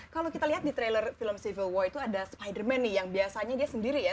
kalau kita lihat di trailer film civil war itu ada spider man nih yang biasanya dia sendiri ya